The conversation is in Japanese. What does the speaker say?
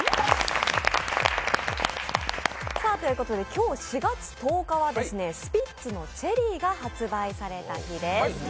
今日４月１０日はスピッツの「チェリー」が発売された日です。